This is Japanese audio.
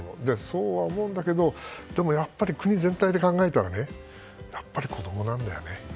そうは思うんだけどでもやっぱり国全体で考えたらやっぱり子供なんだよね。